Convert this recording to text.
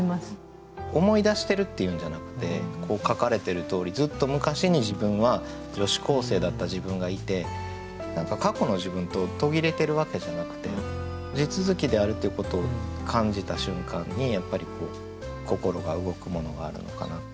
思い出してるっていうんじゃなくてこう書かれてるとおりずっとむかしに自分は女子高生だった自分がいて何か過去の自分と途切れてるわけじゃなくて地続きであるっていうことを感じた瞬間にやっぱり心が動くものがあるのかな。